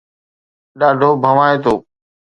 ڏاڍو ڀوائتو